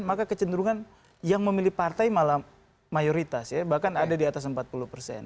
maka kecenderungan yang memilih partai malah mayoritas ya bahkan ada di atas empat puluh persen